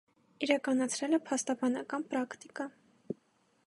Իրականացրել է փաստաբանական պրակտիկա։